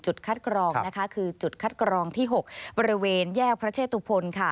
คัดกรองนะคะคือจุดคัดกรองที่๖บริเวณแยกพระเชตุพลค่ะ